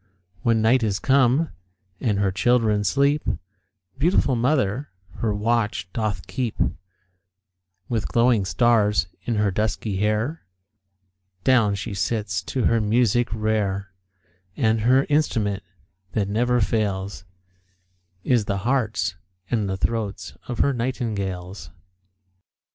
When night is come, and her children sleep, Beautiful mother her watch doth keep; With glowing stars in her dusky hair Down she sits to her music rare; And her instrument that never fails, Is the hearts and the throats of her nightingales.